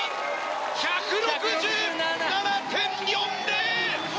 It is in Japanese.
１６７．４０！